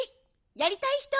やりたいひと。